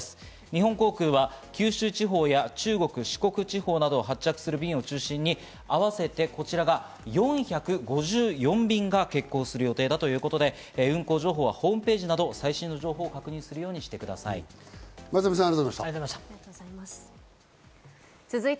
日本航空は九州地方や中国・四国地方などを発着する便を中心に、合わせて４５４便が欠航する予定だということで、運行情報はホームページなどで最新の情報を確認するようにしてください。